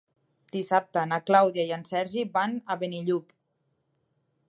Dissabte na Clàudia i en Sergi van a Benillup.